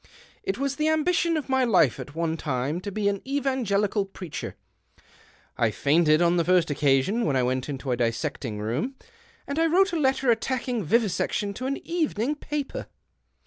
It was the ambition of my life at one time to be an evangelical preacher. I fainted on the first occasion when I went into a dissecting room, and I wrote a letter attacking vivi section to an evening paper.